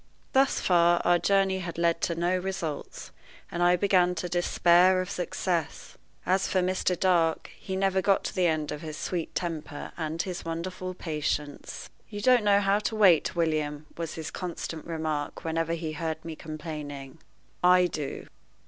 Thus far our journey had led to no results, and I began to despair of success. As for Mr. Dark, he never got to the end of his sweet temper and his wonderful patience. "You don't know how to wait, William," was his constant remark whenever he heard me complaining. "I do."